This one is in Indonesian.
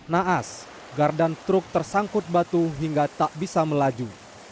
naas gardan truk tersangkut batu hingga tak bisa melaju